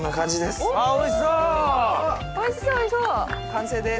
完成です！